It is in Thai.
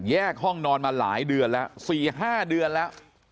ห้องนอนมาหลายเดือนแล้ว๔๕เดือนแล้ว